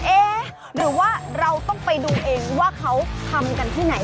เอ๊ะหรือว่าเราต้องไปดูเองว่าเขาทำกันที่ไหน